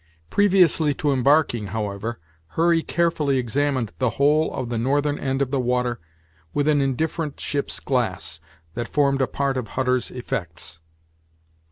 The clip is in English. Previously to embarking, however, Hurry carefully examined the whole of the northern end of the water with an indifferent ship's glass, that formed a part of Hutter's effects.